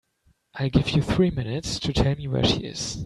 I'll give you three minutes to tell me where she is.